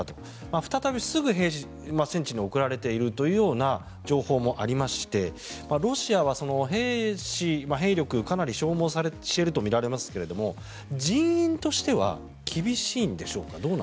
再びすぐ戦地に送られているというような情報もありましてロシアは兵士、兵力かなり消耗しているとみられますけれども人員としては厳しいんでしょうか。